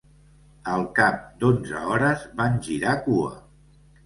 Al cap d'onze hores van girar cua.